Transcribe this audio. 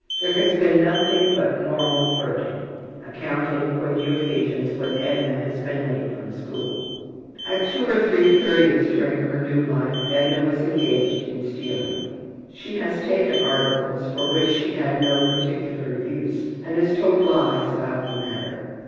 There has been nothing but normal flirting; accounting for the occasions when Edna has been late from school. At two or three periods during her new life Edna has engaged in stealing. She has taken articles for which she had no particular use and has told lies about the matter.